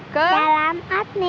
ke dalam oatmeal